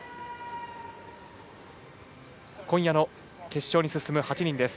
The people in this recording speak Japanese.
今夜の決勝に進む８人です。